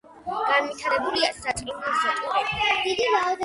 განვითარებულია საწყლოსნო ტურები.